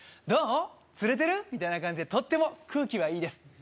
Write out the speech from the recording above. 「どう釣れてる？」みたいな感じでとっても空気はいいです